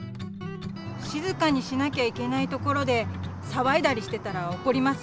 しずかにしなきゃいけないところでさわいだりしてたらおこります。